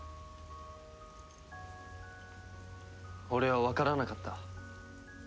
俺はわからなかった。